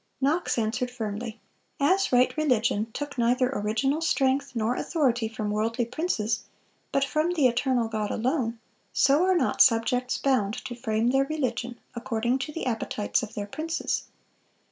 Knox answered firmly: "As right religion took neither original strength nor authority from worldly princes, but from the eternal God alone, so are not subjects bound to frame their religion according to the appetites of their princes.